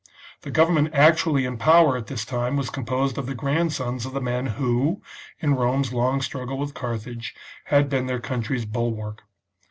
The government actually in power at this time was composed of the grandsons of the men, who, in Rome's long struggle with Carthage, had been their country's bulwark.